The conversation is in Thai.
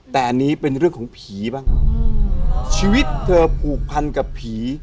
แต่อันนี้เป็นเรื่องของผีบ้างชีวิตเธอผูกพันกับผี